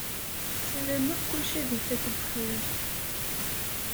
Ssarameɣ kullec ad ifak bxir.